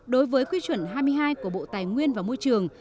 đối với quy chuẩn hai mươi hai của bộ tài nguyên và môi trường